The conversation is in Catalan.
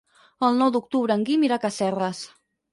El nou d'octubre en Guim irà a Casserres.